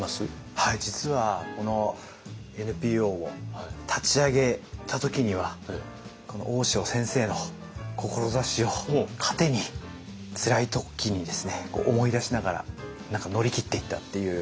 はい実はこのＮＰＯを立ち上げた時にはこの大塩先生の志を糧につらい時にですね思い出しながら何か乗り切っていったっていう。